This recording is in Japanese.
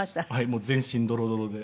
もう全身ドロドロで。